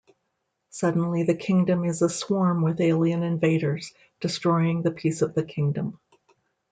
Suddenly the Kingdom is aswarm with alien invaders, destroying the peace of the kingdom.